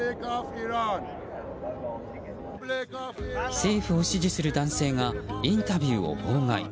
政府を支持する男性がインタビューを妨害。